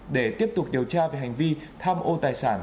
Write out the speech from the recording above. để tiếp tục điều tra về hành vi tham ô tài sản